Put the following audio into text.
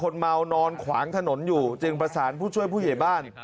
แต่ตอนนี้ติดต่อน้องไม่ได้